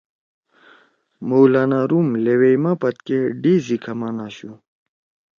مولانا روم لیویئی ما پدکے ڈےسی کھمان آشُو۔